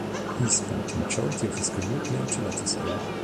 He spent majority of his career playing at Galatasaray.